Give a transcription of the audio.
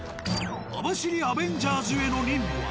網走アベンジャーズへの任務は。